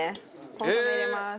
コンソメ入れます。